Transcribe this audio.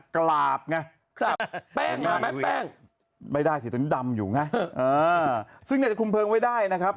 กราบไงแป้งไม่ได้สิตัวนี้ดำอยู่ไงซึ่งคุมเพลิงไว้ได้นะครับ